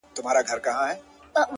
زه وايم دا؛